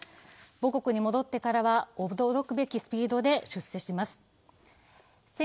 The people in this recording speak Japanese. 母国に戻ってからは驚くべきスピードで出世します。